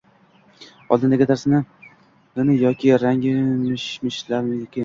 oldindagi darsnimi yoki yangi mish-mishlarnimi?